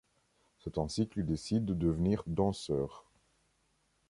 C'est ainsi qu'il décide de devenir danseur.